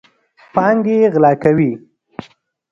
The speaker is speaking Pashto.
پانګې غلا کوي.